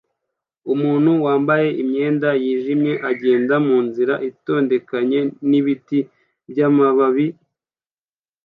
Umuntu wambaye imyenda yijimye agenda munzira itondekanye nibiti byamababi